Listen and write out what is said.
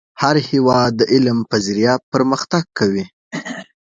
هر هیواد د علم په ذریعه پرمختګ کوي .